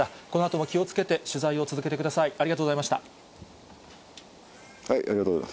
このあとも気をつけて取材を続けてください。